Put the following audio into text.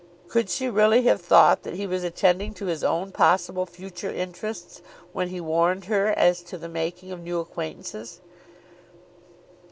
Could she really have thought that he was attending to his own possible future interests when he warned her as to the making of new acquaintances?